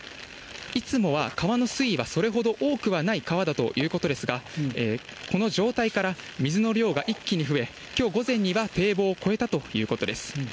いつもは川の水位はそれほど多くはない川だということですが、この状態から水の量が一気に増え、きょう午前には堤防を越えたということです。